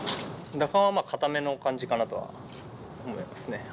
打感は硬めの感じかなとは思いますね。